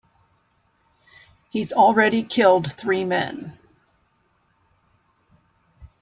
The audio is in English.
He's already killed three men.